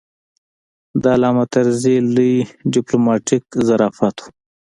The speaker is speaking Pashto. د علامه طرزي لوی ډیپلوماتیک ظرافت و.